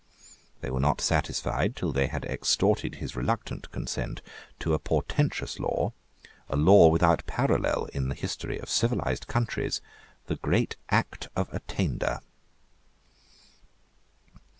They were not satisfied till they had extorted his reluctant consent to a portentous law, a law without a parallel in the history of civilised countries, the great Act of Attainder.